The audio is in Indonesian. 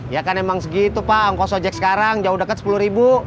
ya kan emang segitu pak ongkos ojek sekarang jauh dekat sepuluh ribu